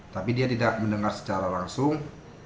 tapi dia tidak mendengar secara langsung